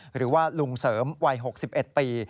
หรือว่าลุงเสริมวัย๖๑ปี